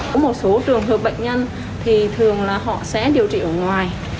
có một số trường hợp bệnh nhân thì thường là họ sẽ điều trị ở ngoài